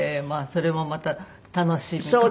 まあそれもまた楽しみかも。